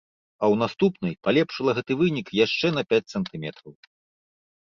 А ў наступнай палепшыла гэты вынік яшчэ на пяць сантыметраў.